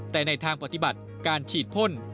แต่ในทางปฏิบัติการฉีดพ่น